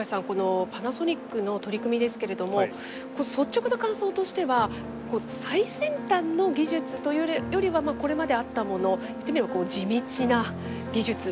このパナソニックの取り組みですけれども率直な感想としては最先端の技術というよりはこれまであったもの言ってみれば地道な技術。